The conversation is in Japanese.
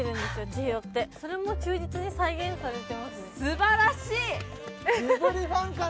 千尋ってそれも忠実に再現されてますねすばらしい！